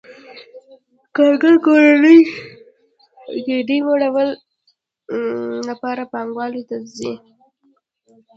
کارګر د کورنۍ ګېډې مړولو لپاره پانګوال ته ځي